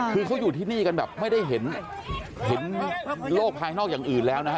คือเขาอยู่ที่นี่กันแบบไม่ได้เห็นโลกภายนอกอย่างอื่นแล้วนะฮะ